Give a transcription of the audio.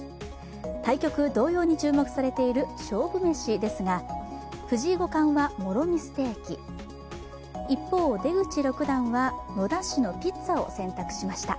対局同様に注目されている勝負飯ですが、藤井五冠はもろ味ステーキ、一方、出口六段は野田市のピッツァを選択しました。